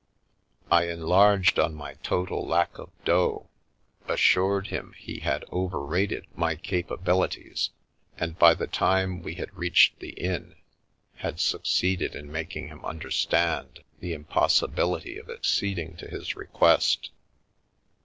I enlarged on my total lack of dot, assured him he had over rated my capabilities, and by the time we had reached the inn, had succeeded in making him understand Via Amoris the impossibility of acceding to his request.